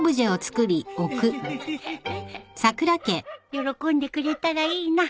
喜んでくれたらいいな。